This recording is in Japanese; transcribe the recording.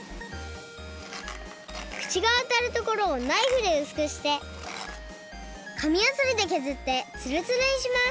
くちがあたるところをナイフでうすくしてかみやすりでけずってつるつるにします！